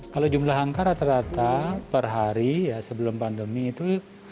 kalau jumlah angkara terdata per hari sebelum pandemi itu